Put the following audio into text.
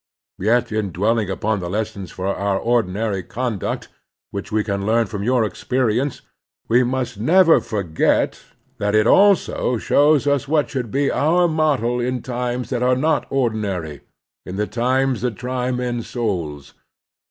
Yet in dwelling upon the lessons for our ordinary conduct which we can learn from your experience, we must never forget that it also shows us what should be our model in times that are not ordinary, in the times that try men's souls.